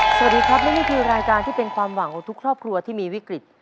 สวัสดีครับและนี่คือรายการที่เป็นความหวังของทุกครอบครัวที่มีวิกฤต